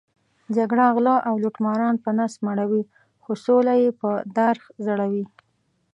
جګړه غله او لوټماران په نس مړوي، خو سوله یې په دار ځړوي.